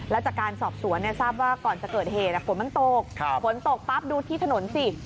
แล้วจากการสอบสวนทราบว่าก่อนจะเกิดเหตุฝนมันตกฝนตกปั๊บดูที่ถนนสิ